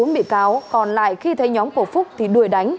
bốn bị cáo còn lại khi thấy nhóm của phúc thì đuổi đánh